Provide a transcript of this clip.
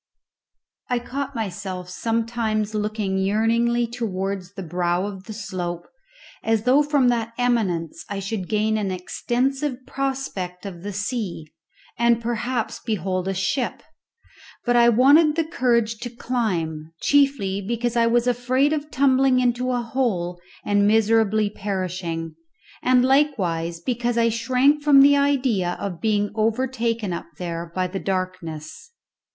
I caught myself sometimes looking yearningly towards the brow of the slope, as though from that eminence I should gain an extensive prospect of the sea and perhaps behold a ship; but I wanted the courage to climb, chiefly because I was afraid of tumbling into a hole and miserably perishing, and likewise because I shrank from the idea of being overtaken up there by the darkness.